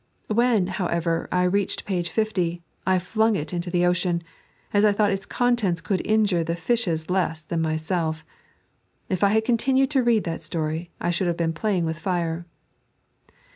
When, however, I reached page 60, 1 fiung it over into the ocean, as I thought its contents would injure the fishes less than myself. If I had continued to read that story, I should have been playing with fire.